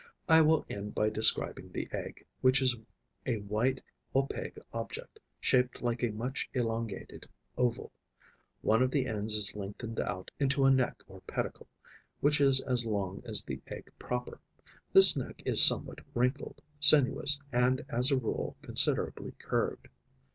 I will end by describing the egg, which is a white, opaque object, shaped like a much elongated oval. One of the ends is lengthened out into a neck or pedicle, which is as long as the egg proper. This neck is somewhat wrinkled, sinuous and as a rule considerably curved.